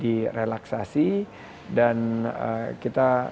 dan sehingga pergerakan wisatawan ini sekarang bisa dikendalikan